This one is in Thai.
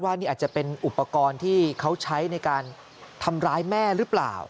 นี่อาจจะเป็นอุปกรณ์ที่เขาใช้ในการทำร้ายแม่หรือเปล่า